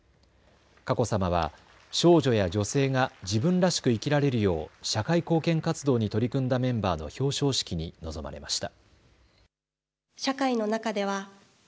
佳子さまは少女や女性が自分らしく生きられるよう社会貢献活動に取り組んだメンバーの表彰式に臨まれました。